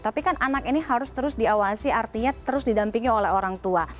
tapi kan anak ini harus terus diawasi artinya terus didampingi oleh orang tua